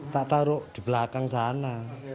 tak taruh di belakang sana